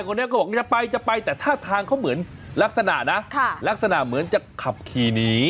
คนนี้ก็บอกจะไปจะไปแต่ท่าทางเขาเหมือนลักษณะนะลักษณะเหมือนจะขับขี่หนี